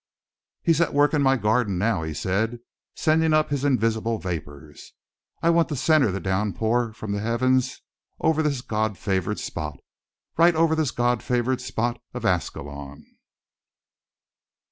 "He's at work in my garden now," he said, "sending up his invisible vapors. I want to center the downpour from the heavens over this God favored spot, right over this God favored spot of Ascalon."